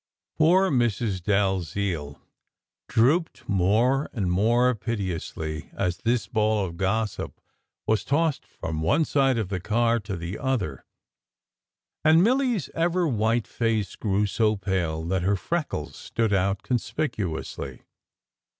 Poor Mrs. Dalziel drooped more and more piteously as this ball of gossip was tossed from one side of the car to the other, and Milly s ever white face grew so pale that her freckles stood out conspicuously.